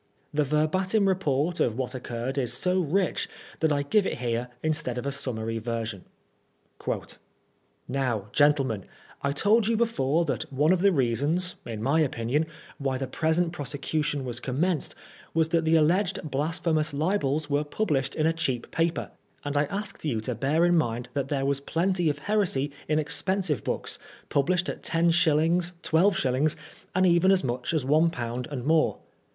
The verbatim report of what occurred is so rich that I give it here instead of a summary version :" Now, gentlemen, I told you before that one of the reasons, in my opinion, why the present prosecution was commenced, was that the alleged blasphemous libels were published in a cheap paper, and I asked you to bear in mind that there was plenty of heresy in expensive books, published at lOs., 12s., and even as much as £1 and more.